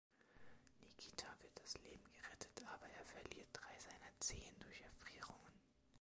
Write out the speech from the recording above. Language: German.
Nikita wird das Leben gerettet, aber er verliert drei seiner Zehen durch Erfrierungen.